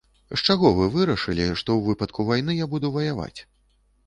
З чаго вы вырашылі, што ў выпадку вайны я буду ваяваць?